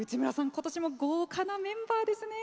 今年も豪華なメンバーですね。